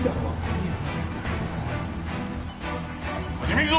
始めるぞ！